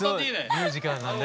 ミュージカルなんでね。